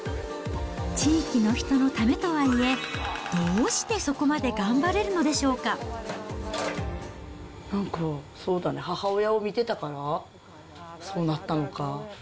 地域の人のためとはいえ、どうして、なんか、そうだね、母親を見てたから、そうなったのか。